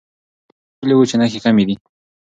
پوهاند ویلي وو چې نښې کمي دي.